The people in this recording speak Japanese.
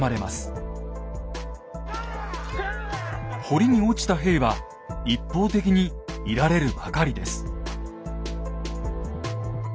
堀に落ちた兵は一方的に射られるばかりです。